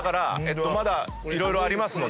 まだ色々ありますので。